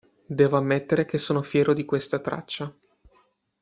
Devo ammettere che sono fiero di questa traccia.